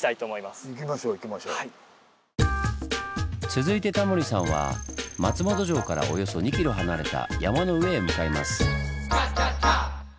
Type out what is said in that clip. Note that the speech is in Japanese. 続いてタモリさんは松本城からおよそ２キロ離れた山の上へ向かいます。